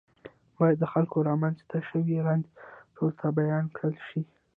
باید د خلکو رامنځته شوی رنځ ټولو ته بیان کړل شي.